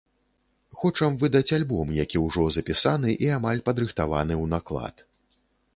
Хочам выдаць альбом, які ўжо запісаны і амаль падрыхтаваны ў наклад.